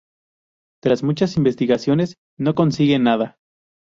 Tras muchas investigaciones no consiguen nada.